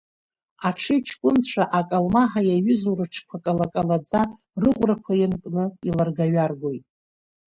Аҽыҩҷкәынцәа, акалмаҳа иаҩызоу рыҽқәа кала-калаӡа рыӷәрақәа ианкны иларгаҩаргоит.